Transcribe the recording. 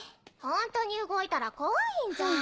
ホントに動いたら怖いんじゃん。